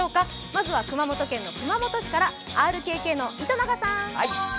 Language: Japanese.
まずは熊本県熊本市からＲＫＫの糸永さん。